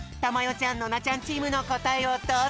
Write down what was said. ちゃんノナちゃんチームのこたえをどうぞ。